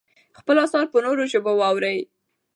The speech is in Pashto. خپل اثار په نورو ژبو واړوئ.